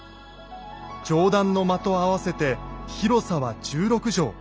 上段の間と合わせて広さは１６畳。